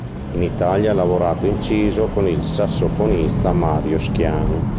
In Italia ha lavorato e inciso con il sassofonista Mario Schiano.